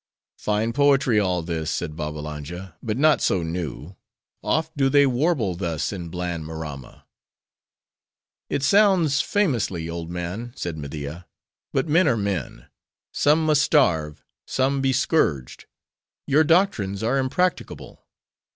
"Fine poetry all this," said Babbalanja, "but not so new. Oft do they warble thus in bland Maramma!" "It sounds famously, old man!" said Media, "but men are men. Some must starve; some be scourged.—Your doctrines are impracticable."